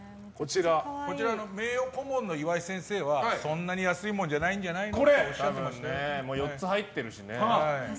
こちらの名誉顧問の岩井先生はそんなに安いものじゃないんじゃないのって多分ね、４つ入ってるし。